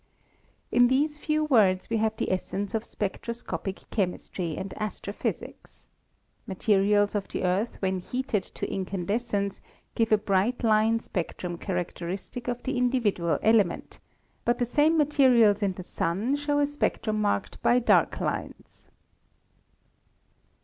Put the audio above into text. In these few words we have the essence of spectroscopic chemistry and astrophysics. Materials of the Earth when heated to incandescence give a bright line spectrum characteristic of the individual element, but the same materials in the Sun show a spectrum marked by dark lines.